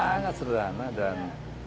sangat sederhana dan